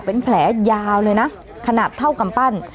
เป็นแผลยาวเลยนะขนาดเท่ากำปั้น